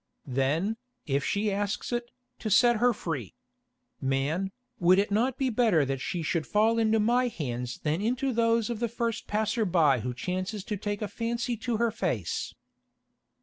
"Then, if she asks it, to set her free. Man, would it not be better that she should fall into my hands than into those of the first passer by who chances to take a fancy to her face?"